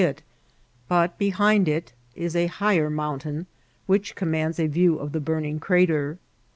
82T it, but behind it is a hi^er mountaiiii which commands a view of the burning crater.